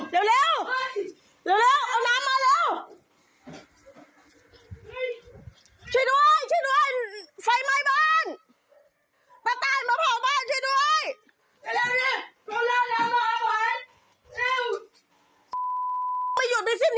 เร็วเร็วเอาน้ำมาเร็ว